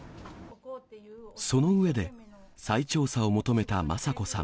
その上で、再調査を求めた雅子さん。